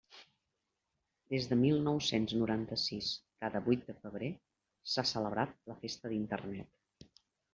Des de mil nou-cents noranta-sis, cada vuit de febrer, s'ha celebrat la Festa d'Internet.